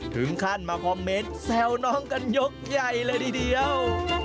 ถึงขั้นมาคอมเมนต์แซวน้องกันยกใหญ่เลยทีเดียว